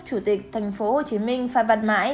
chủ tịch tp hcm phạm văn mãi